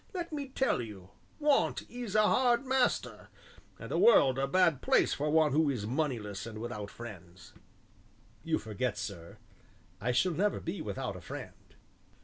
Let me tell you, Want is a hard master, and the world a bad place for one who is moneyless and without friends." "You forget, sir, I shall never be without a friend."